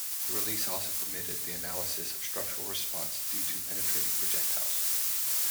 The release also permitted the analysis of structural response due to penetrating projectiles.